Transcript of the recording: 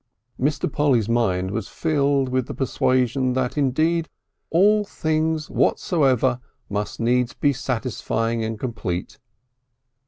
Mr. Polly's mind was filled with the persuasion that indeed all things whatsoever must needs be satisfying and complete.